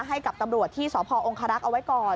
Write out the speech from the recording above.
ให้กับตำรวจที่สพองคารักษ์เอาไว้ก่อน